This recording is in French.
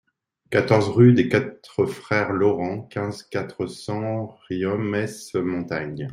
quatorze rue des Quatre Frères Laurent, quinze, quatre cents, Riom-ès-Montagnes